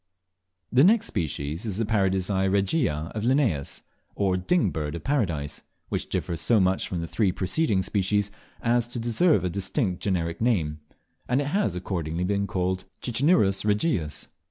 The next species is the Paradisea regia of Linnaeus, or Ding Bird of Paradise, which differs so much from the three preceding species as to deserve a distinct generic name, and it has accordingly been called Cicinnurus regius.